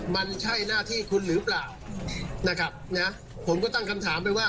มันใช่หน้าที่คุณหรือเปล่านะครับนะผมก็ตั้งคำถามไปว่า